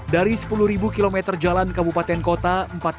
dari sepuluh km jalan kabupaten kota